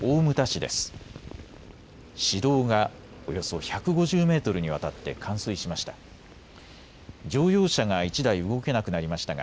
市道がおよそ１５０メートルにわたって冠水しました。